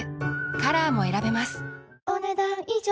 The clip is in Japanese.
カラーも選べますお、ねだん以上。